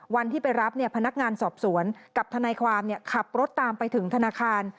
วันที่ไปรับพนักงานสอบสวนกับทนายความขับรถตามไปถึงธนาคาร